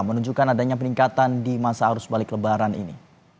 menunjukkan adanya peningkatan di masa arus balik lebaran ini